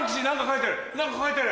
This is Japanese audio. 何か描いてる。